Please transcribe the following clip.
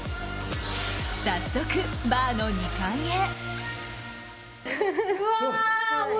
早速、バーの２階へ。